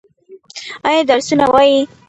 ایا درسونه وايي؟